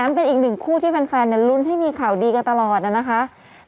เป็นอีกหนึ่งคู่ที่แฟนลุ้นให้มีข่าวดีกันตลอดนะคะ